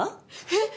えっ！